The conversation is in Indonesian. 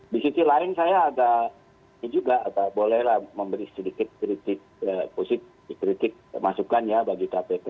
di sisi lain saya agak ini juga bolehlah memberi sedikit kritik positif kritik masukan ya bagi kpk